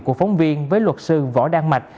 của phóng viên với luật sư võ đan mạch